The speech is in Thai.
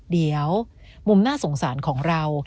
เดี๋ยวมุมน่าสงสารของเรา